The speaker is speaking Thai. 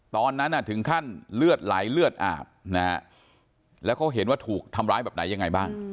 ตอนนั้นถึงขั้นเลือดไหลเลือดอาบนะฮะแล้วเขาเห็นว่าถูกทำร้ายแบบไหนยังไงบ้าง